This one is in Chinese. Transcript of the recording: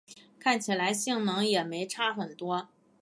看起来性能也没差很多